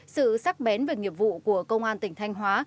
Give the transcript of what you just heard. sự sắc bén về nghiệp vụ của công an tỉnh thanh hóa